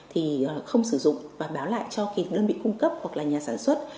thì không sử dụng và báo lại cho cái đơn vị cung cấp hoặc là nhà sản xuất